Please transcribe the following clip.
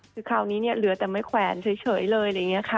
คือคราวนี้เนี่ยเหลือแต่ไม่แขวนเฉยเลยอะไรอย่างนี้ค่ะ